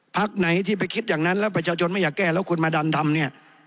พักไหนที่ไปคิดอย่างนั้นแล้วประชาชนไม่อยากแก้แล้วคุณมาดันทำเนี่ย